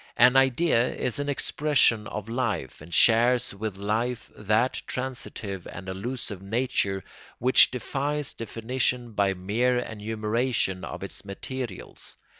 An idea is an expression of life, and shares with life that transitive and elusive nature which defies definition by mere enumeration of its materials.